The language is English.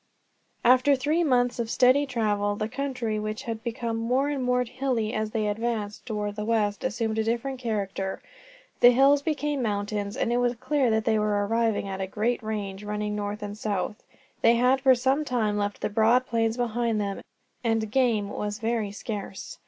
After three months of steady travel, the country, which had become more and more hilly as they advanced toward the west, assumed a different character. The hills became mountains, and it was clear that they were arriving at a great range running north and south. They had for some time left the broad plains behind them, and game was very scarce.